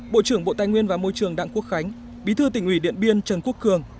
bộ trưởng bộ tài nguyên và môi trường đảng quốc khánh bí thư tỉnh ủy điện biên trần quốc cường